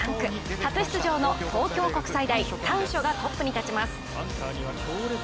初出場、東京国際大丹所がトップに立ちます。